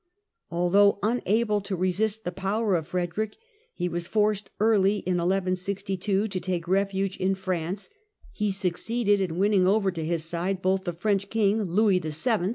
Although, unable to resist the power of Frederick, he was forced, early in 1162, to take refuge in France, he succeeded in winning over to his side both the French king, Louis VII.